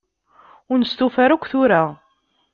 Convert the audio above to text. Ur nestufa ara akk tura.